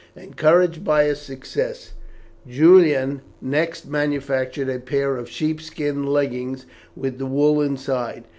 Encouraged by his success, Julian next manufactured a pair of sheep skin leggings, with the wool inside.